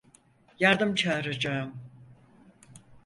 Yardım çağıracağım.